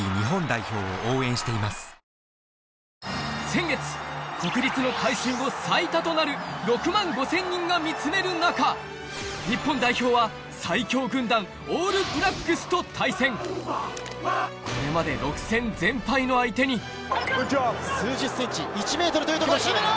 先月国立の改修後最多となる６万５０００人が見つめる中日本代表は最強軍団オールブラックスと対戦これまで６戦全敗の相手に数十ｃｍ１ｍというところ姫野！